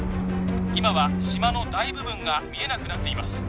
今は島の大部分が見えなくなっています